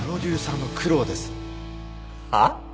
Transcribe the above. はっ？